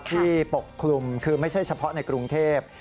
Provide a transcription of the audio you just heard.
ปกคลุมคือไม่ใช่เฉพาะในกรุงเทพ